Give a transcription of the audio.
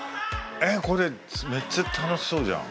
これめっちゃ楽しそうじゃん。